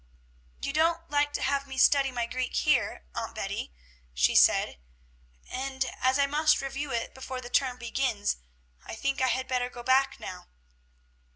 "You don't like to have me study my Greek here, Aunt Betty," she said; "and, as I must review it before the term begins, I think I had better go back now."